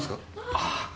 ああ！